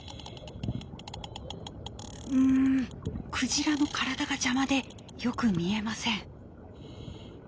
うんクジラの体が邪魔でよく見えません。